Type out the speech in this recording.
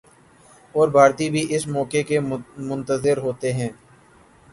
اور بھارتی بھی اسی موقع کے منتظر ہوتے ہیں۔